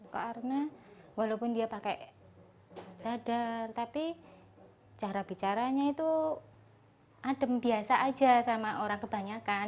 karena walaupun dia pakai dadar tapi cara bicaranya itu adem biasa aja sama orang kebanyakan